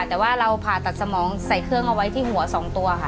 แต่ว่าเราผ่าตัดสมองใส่เครื่องเอาไว้ที่หัว๒ตัวค่ะ